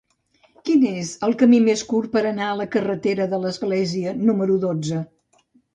Quin és el camí més curt per anar a la carretera de l'Església número dotze?